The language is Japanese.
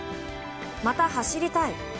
また走りたい。